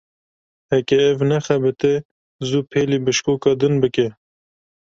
Heke ev nexebite, zû pêlî bişkoka din bike.